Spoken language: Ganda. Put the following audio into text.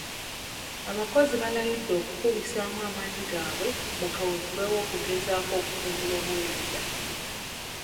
Abakozi baalayidde okukubisaamu amaanyi gaabwe mu kaweefube w'okugezaako okutumbula obuweereza.